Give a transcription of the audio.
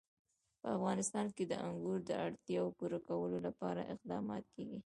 په افغانستان کې د انګور د اړتیاوو پوره کولو لپاره اقدامات کېږي.